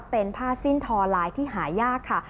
เป็นผ้าสิ้นทอลายที่หายากค่ะ